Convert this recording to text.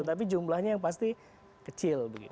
tapi jumlahnya yang pasti kecil